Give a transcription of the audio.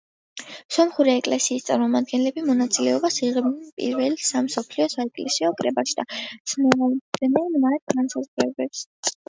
სომხური ეკლესიის წარმომადგენლები მონაწილეობას იღებდნენ პირველ სამ მსოფლიო საეკლესიო კრებაში და ცნობდნენ მათ განსაზღვრებებს.